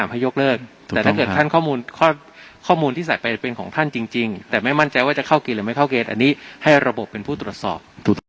ไปเป็นของท่านจริงจริงแต่ไม่มั่นใจว่าจะเข้ากินหรือไม่เข้าเกจอันนี้ให้ระบบเป็นผู้ตรวจสอบ